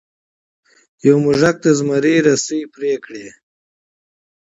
یو موږک د زمري رسۍ غوڅې کړې.